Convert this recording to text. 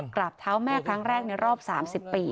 กราบเท้าแม่ครั้งแรกในรอบ๓๐ปี